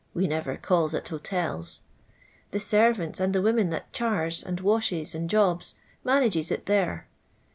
We never calls at hotels. The servants, and the women that chars, and washes, and jobs, mannges it there.